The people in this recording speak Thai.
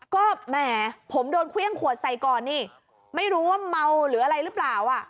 ก็แหมผมโดนเครื่องขวดใส่ก่อนนี่ไม่รู้ว่าเมาหรืออะไรหรือเปล่าอ่ะ